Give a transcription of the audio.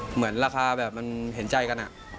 เหมือนราคาแบบมันเห็นใจกัน